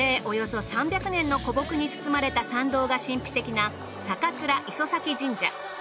およそ３００年の古木に包まれた参道が神秘的な酒列磯前神社。